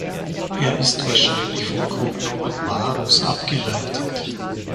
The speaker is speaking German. Er ist wahrscheinlich vom Cognomen "Varus" abgeleitet.